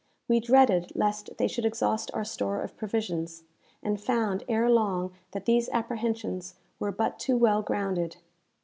We dreaded lest they should exhaust our store of provisions, and found ere long that these apprehensions were but too well grounded.